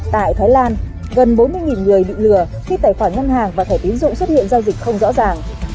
tại thái lan gần bốn mươi người bị lừa khi tài khoản ngân hàng và thẻ tiến dụng xuất hiện giao dịch không rõ ràng